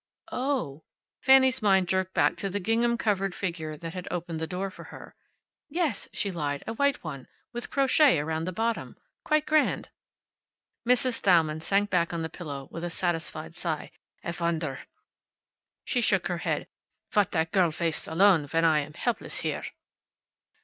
"Oh!" Fanny's mind jerked back to the gingham covered figure that had opened the door for her. "Yes," she lied, "a white one with crochet around the bottom. Quite grand." Mrs. Thalmann sank back on the pillow with a satisfied sigh. "A wonder." She shook her head. "What that girl wastes alone, when I am helpless here."